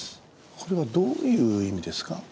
これはどういう意味ですか？